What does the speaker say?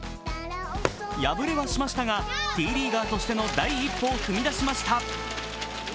敗れはしましたがＴリーガーとしての第一歩を踏み出しました。